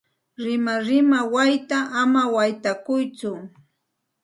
Rimarima wayta ama waytakuytsu.